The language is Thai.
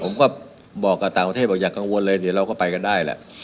ผมก็บอกกับต่างประเทศบอกอย่ากังวลเลยเดี๋ยวเราก็ไปกันได้แหละ